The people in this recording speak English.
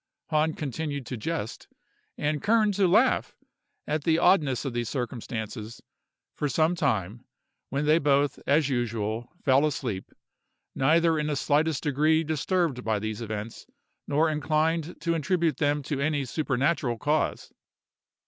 Hahn continued to jest, and Kern to laugh, at the oddness of these circumstances, for some time, when they both, as usual, fell asleep, neither in the slightest degree disturbed by these events, nor inclined to attribute them to any supernatural cause.